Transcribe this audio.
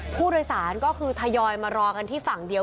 ผู้โดยสารก็คือทยอยมารอกันที่ฝั่งเดียว